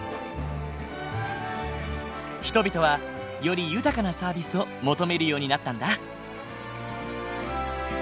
人々はより豊かなサービスを求めるようになったんだ。